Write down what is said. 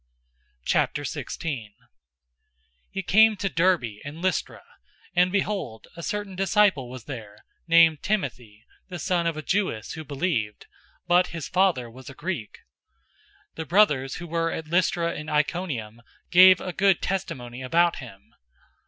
016:001 He came to Derbe and Lystra: and behold, a certain disciple was there, named Timothy, the son of a Jewess who believed; but his father was a Greek. 016:002 The brothers who were at Lystra and Iconium gave a good testimony about him.